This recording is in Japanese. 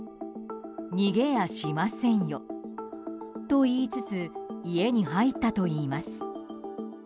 逃げやしませんよと言いつつ家に入ったといいます。